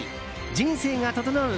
人生が整う